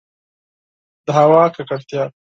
د هوا ککړتیا